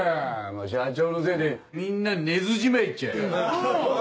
社長のせいでみんな寝ずじまいっちゃのう！